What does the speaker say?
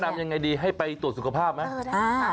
แนะนำอย่างไรดีให้ไปตรวจสุขภาพไหม